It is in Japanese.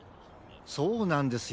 そうなんですよ。